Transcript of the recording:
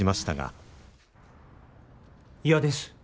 嫌です。